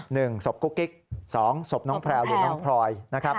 หนึ่งศพกุ๊กกิ๊กสองศพน้องแพรวหรือน้องพลอยนะครับ